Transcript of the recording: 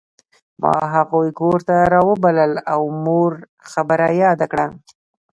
ما هغوی کور ته راوبلل او مور خبره یاده کړه